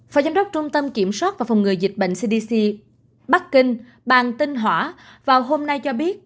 phó giám đốc trung tâm kiểm soát và phòng ngừa dịch bệnh cdc bắc kinh bang tinh hỏa vào hôm nay cho biết